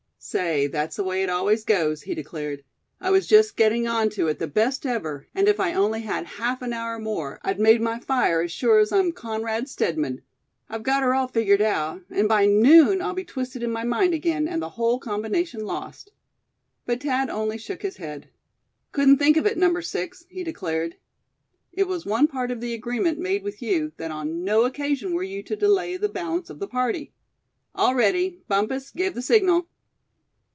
"Say, that's the way it always goes," he declared. "I was just getting on to it the best ever, and if I only had half an hour more, I'd made my fire as sure as I'm Conrad Stedman. I've got her all figgered out; and by noon I'll be twisted in my mind again, and the whole combination lost." But Thad only shook his head. "Couldn't think of it, Number Six," he declared. "It was one part of the agreement made with you that on no occasion were you to delay the balance of the party. All ready; Bumpus, give the signal."